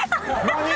何？